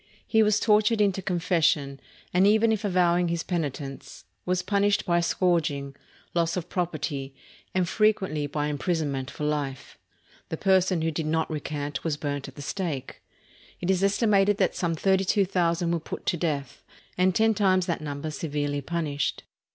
He was tortured into confession, and even if avowing his penitence, was punished by scourging, loss of property, and frequently by imprisonment for life. The person who did not recant was burned at the stake. It is estimated that some thirty two thousand were put to death, and ten times that number severely punished.